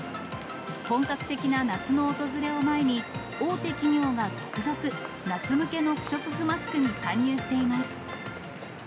本格的な夏の訪れを前に、大手企業が続々、夏向けの不織布マスクに参入しています。